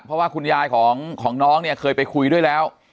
เพราะว่าคุณยายของน้องเนี่ยเคยไปคุยด้วยแล้ว